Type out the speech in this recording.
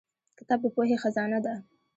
کتاب د پوهې خزانه ده.